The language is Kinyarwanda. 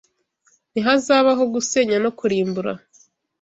Ntihazabaho gusenya no kurimbura